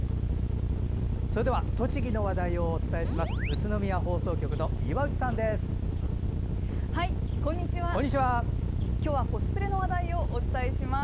それでは栃木の話題をお伝えします。